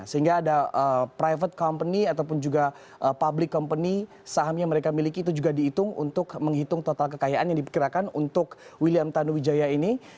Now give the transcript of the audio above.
sehingga ada private company ataupun juga public company saham yang mereka miliki itu juga dihitung untuk menghitung total kekayaan yang diperkirakan untuk william tanuwijaya ini